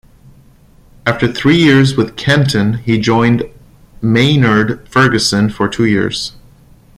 After three years with Kenton he joined Maynard Ferguson for two years.